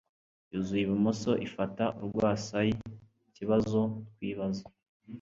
yuzuye ibumoso ifata urwasayaikibazo twibaza